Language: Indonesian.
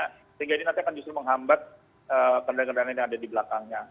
sehingga ini nanti akan justru menghambat kendaraan kendaraan yang ada di belakangnya